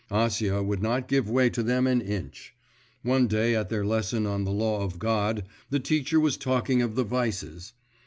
Acia would not give way to them an inch. One day at their lesson on the law of God, the teacher was talking of the vices.